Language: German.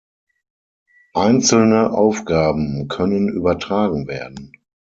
Einzelne Aufgaben können übertragen werden.